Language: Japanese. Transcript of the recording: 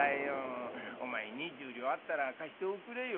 お前２０両あったら貸しておくれよ」。